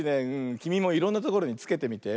きみもいろんなところにつけてみて。